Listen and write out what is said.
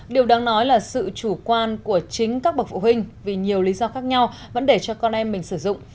điều đáng nói là sự chủ quan của chính các bậc phụ huynh vì nhiều lý do khác nhau vẫn để cho con em mình sử dụng